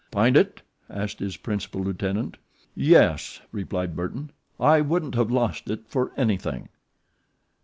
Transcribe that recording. "Find it?" asked his principal lieutenant. "Yep," replied Burton. "I wouldn't have lost it for anything."